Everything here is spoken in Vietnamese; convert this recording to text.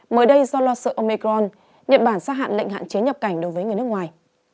mới đây do lo sợ omicron nhật bản xác hạn lệnh hạn chế nhập cảnh đối với người nước ngoài